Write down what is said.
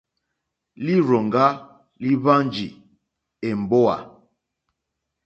Lírzòŋgá líhwánjì èmbówà.